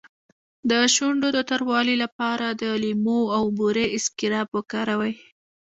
د شونډو د توروالي لپاره د لیمو او بورې اسکراب وکاروئ